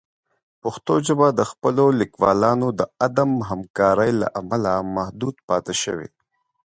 پښتو ژبه د خپلو لیکوالانو د عدم همکارۍ له امله محدود پاتې شوې.